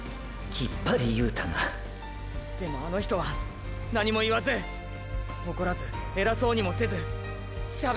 きっぱり言うたなでもあの人は何も言わず誇らず偉そうにもせずしゃべらずやるんです。